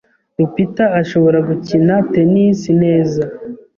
Rupita ashobora gukina tennis neza.